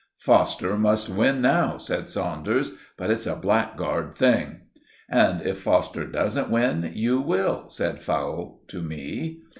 "Foster must win now," said Saunders. "But it's a blackguard thing." "And if Foster doesn't win, you will," said Fowle to me.